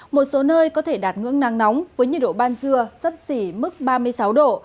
một số nơi có thể đạt ngưỡng nắng nóng với nhiệt độ ban trưa sấp xỉ mức ba mươi sáu độ